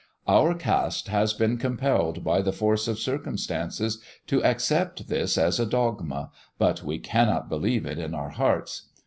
Our caste has been compelled by the force of circumstances to accept this as a dogma, but we cannot believe it in our hearts.